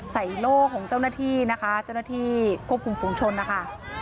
โล่ของเจ้าหน้าที่นะคะเจ้าหน้าที่ควบคุมฝุงชนนะคะ